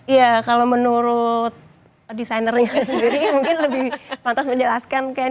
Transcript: iya kalau menurut desainernya sendiri mungkin lebih pantas menjelaskan kan